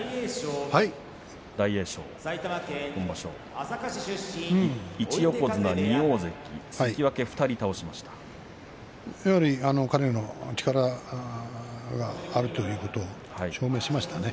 大栄翔は今場所１横綱、２大関、関脇２人やはり彼の力があるということを証明しましたね。